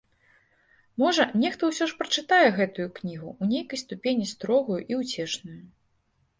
Можа, нехта ўсё ж прачытае гэтую кнігу, у нейкай ступені строгую і ўцешную.